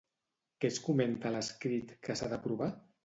Què es comenta a l'escrit que s'ha d'aprovar?